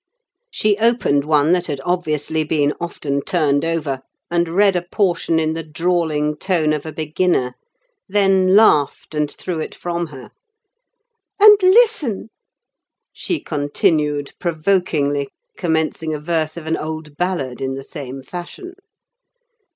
She opened one that had obviously been often turned over, and read a portion in the drawling tone of a beginner; then laughed, and threw it from her. "And listen," she continued, provokingly, commencing a verse of an old ballad in the same fashion.